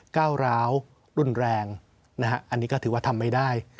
ก้าวร้าวรุนแรงนะฮะอันนี้ก็ถือว่าทำไม่ได้